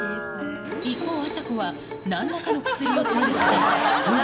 一方、あさこはなんらかの薬を取り出し、服用。